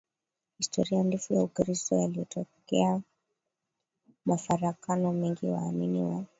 historia ndefu ya Ukristo yalitokea mafarakano mengi waamini wa